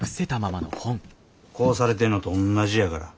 こうされてんのとおんなじやから。